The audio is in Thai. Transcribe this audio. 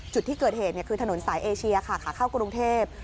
จุดที่เกิดเหตุคือถนนสายเอเชียค่ะขาเข้ากรุงเทพ